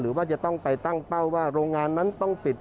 หรือว่าจะต้องไปตั้งเป้าว่าโรงงานนั้นต้องปิด